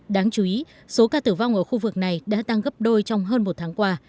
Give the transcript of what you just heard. đáng chú ý số ca tử vong ở khu vực này đã tăng gấp đôi trong hơn một tháng qua